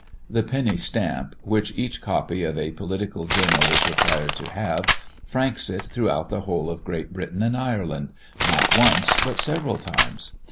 The penny stamp, which each copy of a political journal is required to have, franks it throughout the whole of Great Britain and Ireland not once, but several times.